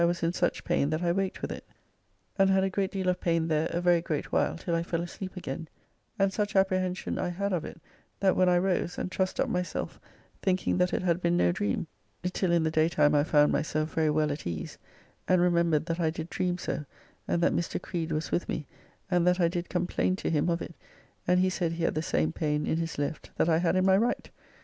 [was] in such pain that I waked with it, and had a great deal of pain there a very great while till I fell asleep again, and such apprehension I had of it that when I rose and trussed up myself thinking that it had been no dream. Till in the daytime I found myself very well at ease, and remembered that I did dream so, and that Mr. Creed was with me, and that I did complain to him of it, and he said he had the same pain in his left that I had in my right...